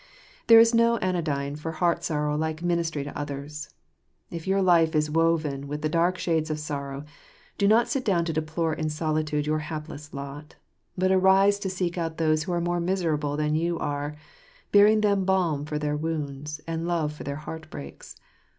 There is no anodyne for heart sorrow like ministry to others. If your life is woven with the dark shades of sorrow, do not sit down to deplore in solitude your hapless lot, but arise to seek out those who are more miserable than you are, bearing them balm for their wounds and love for their heart breaks.